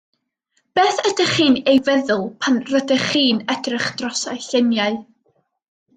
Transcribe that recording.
Beth ydych chi'n ei feddwl pan rydych chi'n edrych dros y lluniau.